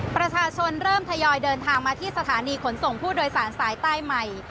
ประชาชนเริ่มทยอยเดินทางมาที่สถานีขนส่งผู้โดยสารสายใต้ใหม่